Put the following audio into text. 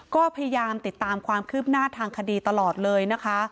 ก็พยายามติดตามความคืบหน้าทางคดีตลอดเลยนะคะ